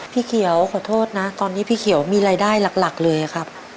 พี่เขียวขอโทษนะตอนนี้พี่เขียวมีรายได้หลักเลยครับ